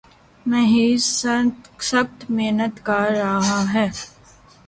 معیز سخت محنت کر رہا ہے